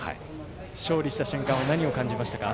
勝利した瞬間は何を感じましたか。